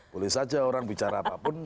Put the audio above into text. boleh saja orang bicara apapun